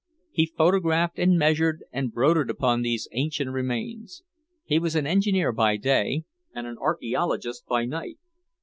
He photographed and measured and brooded upon these ancient remains. He was an engineer by day and an archaeologist by night.